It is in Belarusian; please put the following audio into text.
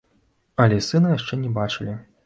Але сына яшчэ не бачылі.